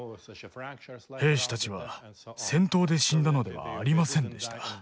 兵士たちは戦闘で死んだのではありませんでした。